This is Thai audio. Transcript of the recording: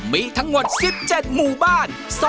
มีทั้งหมด๑๗หมู่บ้าน